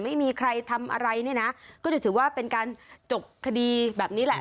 ไม่มีใครทำอะไรเนี่ยนะก็จะถือว่าเป็นการจบคดีแบบนี้แหละ